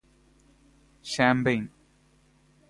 champagne